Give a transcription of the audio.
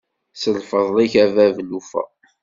S lfeḍl-ik a bab llufa.